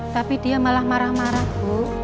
tapi dia malah marah marah bu